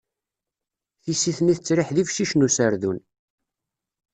Tissit-nni tettriḥ d ibeccicen userdun.